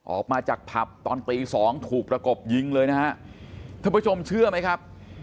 ออกมาจากผับตอนตีสองถูกประกบยิงเลยนะฮะท่านผู้ชมเชื่อไหมครับ